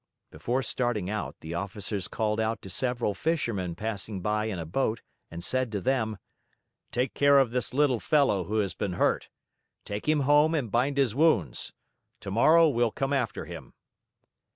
Before starting out, the officers called out to several fishermen passing by in a boat and said to them: "Take care of this little fellow who has been hurt. Take him home and bind his wounds. Tomorrow we'll come after him."